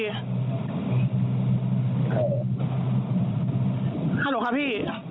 ครับผมครับพี่